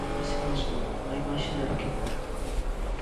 Vacinación, nunha imaxe de arquivo.